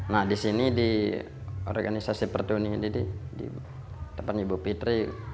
nah di sini di organisasi pertuni ini di tempat ibu fitri